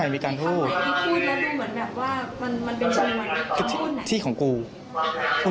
อ๋อมีการพูดใช่มีการพูด